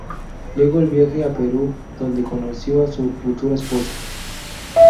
Luego el viaje a Perú, donde conoció a su futura esposa.